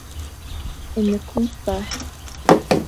Elle ne compte pas.